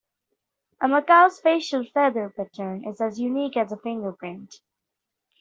A macaw's facial feather pattern is as unique as a fingerprint.